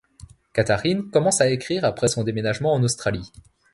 Katharine commence à écrire après son déménagement en Australie.